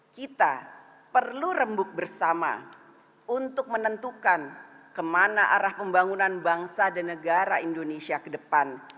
kita perlu rembuk bersama untuk menentukan kemana arah pembangunan bangsa dan negara indonesia ke depan